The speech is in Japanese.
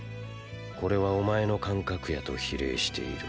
これはお前の感覚野と比例している。